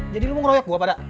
jadi lu mau ngeroyok gua pada